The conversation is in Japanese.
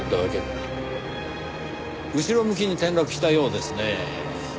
後ろ向きに転落したようですねぇ。